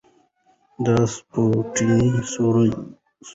د دې سپکو ټيټې سورې وړي